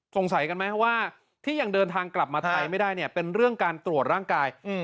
สงสัยกันไหมว่าที่ยังเดินทางกลับมาไทยไม่ได้เนี่ยเป็นเรื่องการตรวจร่างกาย